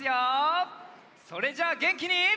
それじゃげんきに。